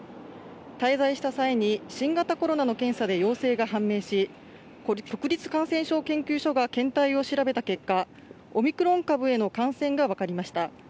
滞在した際に新型コロナの検査で陽性が判明し、国立感染症研究所が検体を調べた結果、オミクロン株への感染が分かりました。